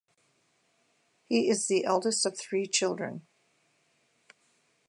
He is the eldest of three children.